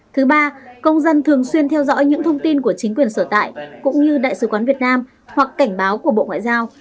thứ ba công dân thường xuyên theo dõi những thông tin của chính quyền sở tại cũng như đại sứ quán việt nam hoặc cảnh báo của bộ ngoại giao